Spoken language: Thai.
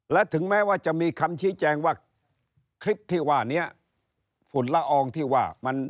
และถึงแม้ว่าจะมีคำชี้แจงว่าคลิปที่ว่านี้ฝุ่นละอองที่ว่ามัน